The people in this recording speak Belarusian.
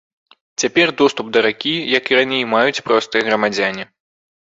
Цяпер доступ да ракі, як і раней, маюць простыя грамадзяне.